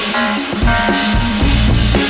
jangan lupa like